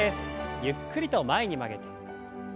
ゆっくりと前に曲げて。